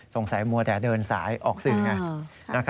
สงสัยมัวแต่เดินสายออกสื่อไง